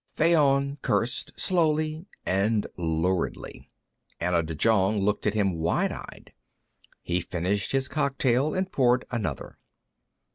Fayon cursed, slowly and luridly. Anna de Jong looked at him wide eyed. He finished his cocktail and poured another.